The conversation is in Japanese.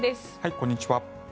こんにちは。